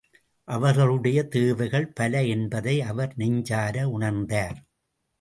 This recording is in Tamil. அவர்களுடைய தேவைகள் பல என்பதை அவர் நெஞ்சார உணர்ந்தார்.